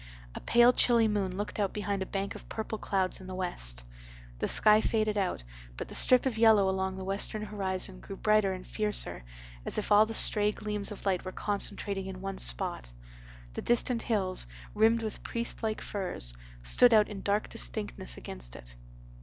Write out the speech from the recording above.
A pale chilly moon looked out behind a bank of purple clouds in the west. The sky faded out, but the strip of yellow along the western horizon grew brighter and fiercer, as if all the stray gleams of light were concentrating in one spot; the distant hills, rimmed with priest like firs, stood out in dark distinctness against it.